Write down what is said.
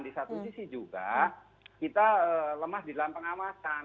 di satu sisi juga kita lemah di dalam pengawasan